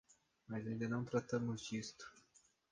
Mas ainda não tratamos disto.